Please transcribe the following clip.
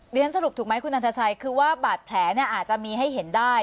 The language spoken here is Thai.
เรียนสรุปถูกไหมคุณนันทชัยคือว่าบาดแผลเนี่ยอาจจะมีให้เห็นได้